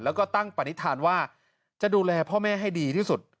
แล้วก็ตั้งปณิธานว่าจะดูแลพ่อแม่ให้ดีที่สุด